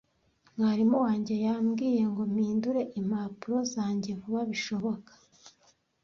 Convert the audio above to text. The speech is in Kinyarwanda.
Mwarimu wanjye yambwiye ngo mpindure impapuro zanjye vuba bishoboka.